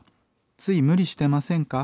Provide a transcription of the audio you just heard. つい無理してませんか？